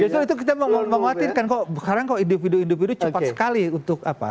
jadi itu kita mau menguatirkan kok sekarang kok individu individu cepat sekali untuk apa